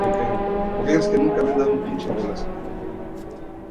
En Míchigan, Brush fue miembro de la fraternidad Delta Kappa Epsilon.